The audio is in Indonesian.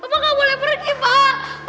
pak pak gak boleh pergi pak